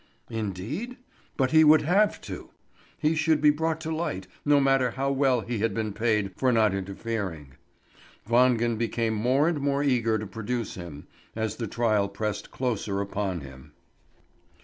Indeed? But he would have to. He should be brought to light, no matter how well he had been paid for not interfering. Wangen became more and more eager to produce him, as the trial pressed closer upon him.